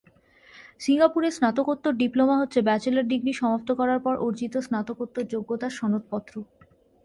সিঙ্গাপুরে স্নাতকোত্তর ডিপ্লোমা হচ্ছে ব্যাচেলর ডিগ্রি সমাপ্ত করার পর অর্জিত স্নাতকোত্তর যোগ্যতার সনদপত্র।